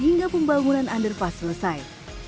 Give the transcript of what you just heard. hingga pembangunan underpass selesai